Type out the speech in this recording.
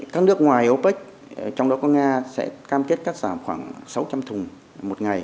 các nước ngoài opec trong đó có nga sẽ cam kết cắt giảm khoảng sáu trăm linh thùng một ngày